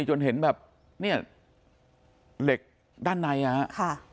จนเห็นแบบเนี่ยเหล็กด้านในฮะ